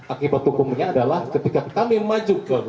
akibat hukumnya adalah ketika kami maju ke